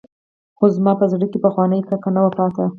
خو زما په زړه کښې پخوانۍ کرکه نه وه پاته.